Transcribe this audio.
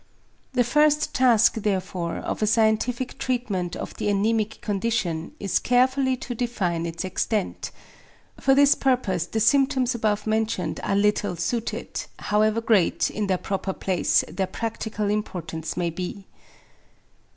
The first task therefore of a scientific treatment of the anæmic condition is carefully to define its extent. For this purpose the symptoms above mentioned are little suited, however great, in their proper place, their practical importance may be.